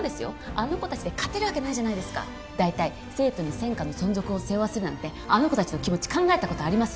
あの子達で勝てるわけないじゃないですか大体生徒に専科の存続を背負わせるなんてあの子達の気持ち考えたことあります？